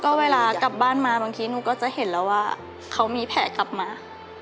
ก็เวลากลับบ้านมาบางทีหนูก็จะเห็นแล้วว่าเขามีแผลกลับมา